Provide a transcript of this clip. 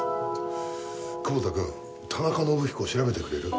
久保田君田中伸彦を調べてくれる？